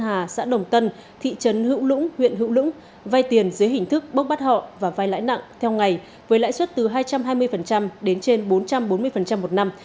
hà xã đồng tân thị trấn hữu lũng huyện hữu lũng vay tiền dưới hình thức bốc bắt họ và vai lãi nặng theo ngày với lãi suất từ hai trăm hai mươi đến trên bốn trăm bốn mươi một năm